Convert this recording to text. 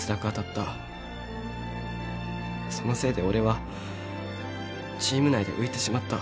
そのせいで俺はチーム内で浮いてしまった。